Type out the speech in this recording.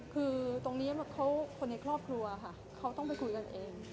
คือตรงนี้คนในครอบครัวค่ะเขาต้องไปคุยกันเอง